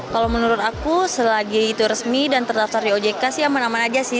kalau menurut aku selagi itu resmi dan terdaftar di ojk sih aman aman aja sih